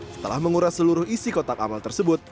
setelah menguras seluruh isi kotak amal tersebut